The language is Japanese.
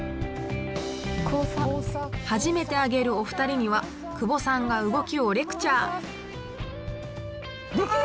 初めてあげるお二人には久保さんが動きをレクチャー！